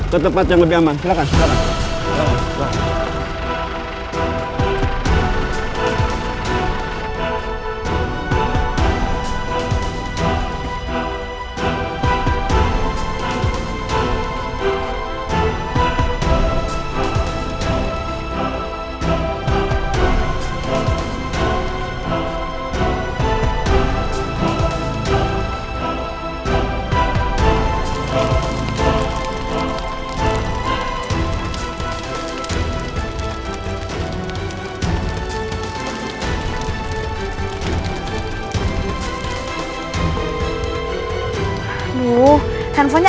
sekarang saya langsung jalan ya